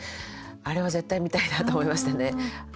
あれは、絶対見たいなと思いましたね。